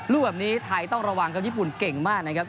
ลูกแบบนี้ไทยต้องระวังครับญี่ปุ่นเก่งมากนะครับ